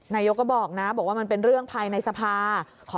นายกก็บอกนะบอกว่ามันเป็นเรื่องภายในสภา